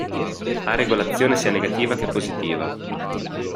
Ha regolazione sia negativa che positiva.